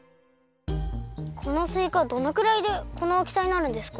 このすいかどのくらいでこのおおきさになるんですか？